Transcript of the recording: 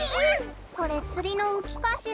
これつりのうきかしら？